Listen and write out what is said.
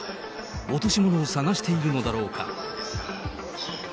落とし物を探しているのだろうか。